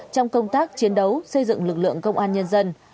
trong công tác chiến đấu xây dựng lực lượng công an nhân dân